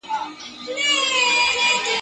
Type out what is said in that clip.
د صحت قدر رنځور پېژني !.